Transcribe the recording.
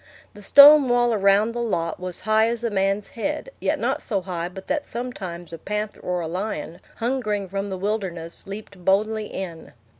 The stone wall around the lot was high as a man's head, yet not so high but that sometimes a panther or a lion, hungering from the wilderness, leaped boldly in.